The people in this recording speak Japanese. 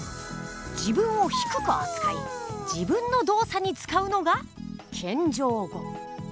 自分を低く扱い自分の動作に使うのが謙譲語。